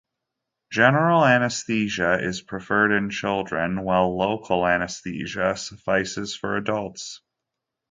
General anesthesia is preferred in children, while local anesthesia suffices for adults.